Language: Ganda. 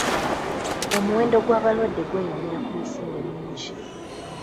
Omuwendo gw'abalwadde gweyongerera ku misinde mingi.